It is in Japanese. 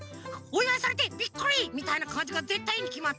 「おいわいされてビックリ！」みたいなかんじがぜったいいいにきまってる。